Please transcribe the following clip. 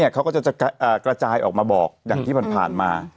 เขาก็จะกระจายออกมาบอกอย่างที่ผ่านมา